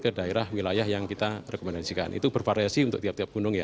ke daerah wilayah yang kita rekomendasikan itu bervariasi untuk tiap tiap gunung ya